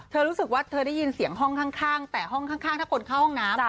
รู้สึกว่าเธอได้ยินเสียงห้องข้างแต่ห้องข้างถ้าคนเข้าห้องน้ำ